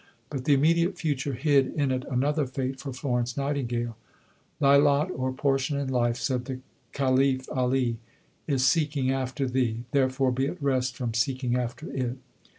Life of Lord Houghton, vol. i. p. 491. But the immediate future hid in it another fate for Florence Nightingale. "Thy lot or portion in life," said the Caliph Ali, "is seeking after thee; therefore be at rest from seeking after it."